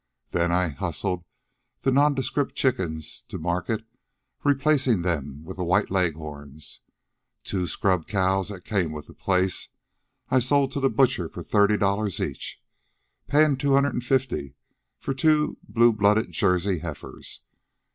Then I hustled the nondescript chickens to market, replacing them with the White Leghorns. The two scrub cows that came with the place I sold to the butcher for thirty dollars each, paying two hundred and fifty for two blue blooded Jersey heifers...